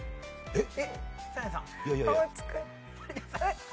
えっ？